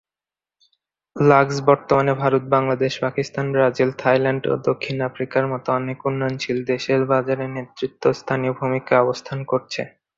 Lux বর্তমানে, Bharat, Bangladesh, Pakistan, Brazil, Thailand ও দক্ষিণ আফ্রিকার মত অনেক উন্নয়নশীল দেশের বাজারে নেতৃত্বস্থানীয় ভূমিকায় অবস্থান করছে।